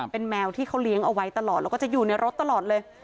เป็นแมวที่เขาเลี้ยงเอาไว้ตลอดแล้วก็จะอยู่ในรถตลอดเลย